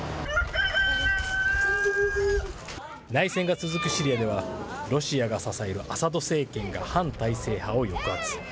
内戦が続くシリアでは、ロシアが支えるアサド政権が反体制派を抑圧。